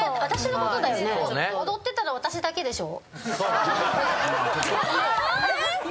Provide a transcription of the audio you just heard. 踊ってたの私だけでしょ。